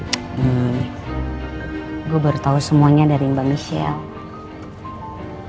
saya baru tahu semuanya dari mbak michelle